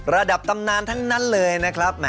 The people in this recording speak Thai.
ระดับตำนานทั้งนั้นเลยนะครับ